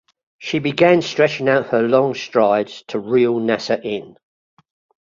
She began stretching out her long strides to reel Naser in.